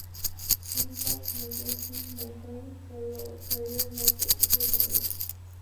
Shipman nació en Kings Mountain, Carolina del Norte, Estados Unidos.